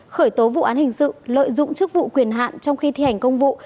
khởi tố vụ án hình sự lợi dụng chức vụ quyền hạn trong khi thi hành công vụ